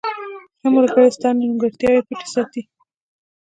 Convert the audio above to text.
• ښه ملګری ستا نیمګړتیاوې پټې ساتي.